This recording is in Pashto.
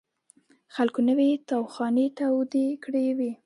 خلکو نوې تاوخانې تودې کړې وې.